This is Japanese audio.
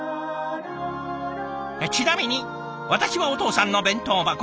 ちなみに私はお父さんの弁当箱。